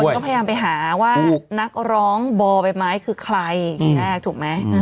ก็พยายามไปหาว่านักร้องบ่อใบไม้คือใครถูกไหม